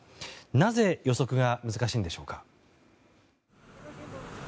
なぜ予測が難しいんでしょうか。